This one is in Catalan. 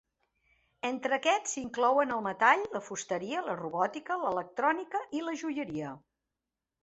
Entre aquests s'inclouen el metall, la fusteria, la robòtica, l'electrònica i la joieria.